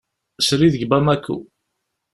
Srid seg Bamako.